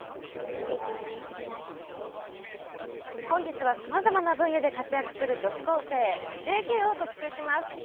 本日は様々な分野で活躍する女子高生ＪＫを特集します。